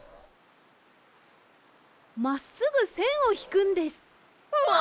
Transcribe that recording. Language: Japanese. まっすぐせんをひくんです。わ！